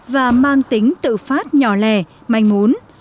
và mang tính tự phát nhỏ lè manh muốn